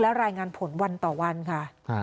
และรายงานผลวันต่อวันค่ะ